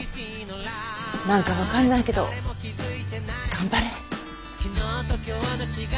何か分かんないけど頑張れ。